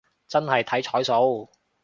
真係睇彩數